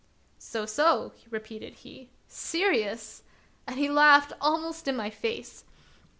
" So, so," repeated he, " serious !" and he laughed almost in my face.